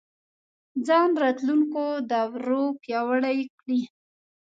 ځان راتلونکو دورو پیاوړی کړي